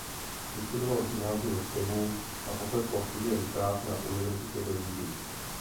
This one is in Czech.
Vystudoval gymnázium v Chebu a pokračoval studiem práv na univerzitě ve Vídni.